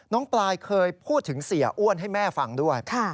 ปลายเคยพูดถึงเสียอ้วนให้แม่ฟังด้วย